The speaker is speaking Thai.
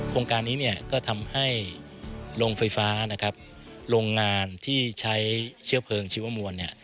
โครงการนี้ก็ทำให้โรงไฟฟ้าโรงงานที่ใช้เชื้อเพิงชีวมวล